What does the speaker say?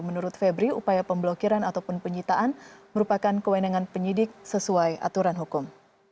menurut febri upaya pemblokiran ataupun penyitaan merupakan kewenangan penyidik sesuai aturan hukum